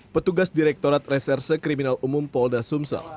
petugas direktorat reserse kriminal umum polda sumsel